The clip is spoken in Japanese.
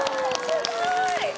すごーい！